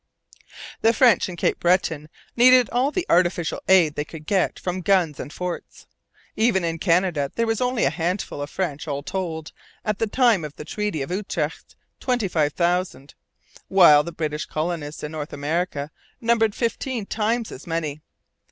The French in Cape Breton needed all the artificial aid they could get from guns and forts. Even in Canada there was only a handful of French, all told, at the time of the Treaty of Utrecht twenty five thousand; while the British colonists in North America numbered fifteen times as many.